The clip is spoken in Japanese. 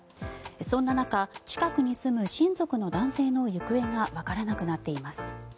そんな中、近くに住む親族の男性の行方がわからなくなっています。